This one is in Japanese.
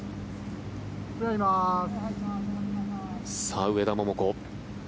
さあ、上田桃子。